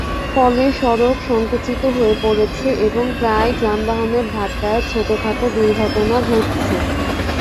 ফলে সড়ক সংকুচিত হয়ে পড়ছে এবং প্রায়ই যানবাহনের ধাক্কায় ছোটখাটো দুর্ঘটনা ঘটছে।